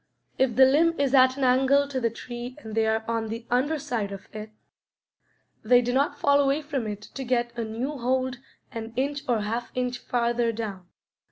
If the limb is at an angle to the tree and they are on the under side of it, they do not fall away from it to get a new hold an inch or half inch farther down.